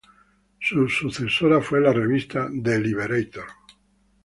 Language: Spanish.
Su sucesora fue la revista "The Liberator".